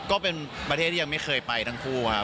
ก็เป็นประเทศที่ยังไม่เคยไปทั้งคู่ครับ